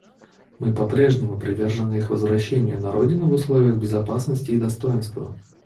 Мы попрежнему привержены их возвращению на родину в условиях безопасности и достоинства.